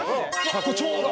これちょうど。